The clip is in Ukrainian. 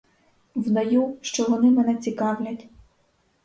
Вдаю, що вони мене цікавлять.